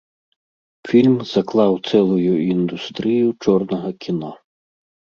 Фільм заклаў цэлую індустрыю чорнага кіно.